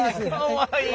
かわいい。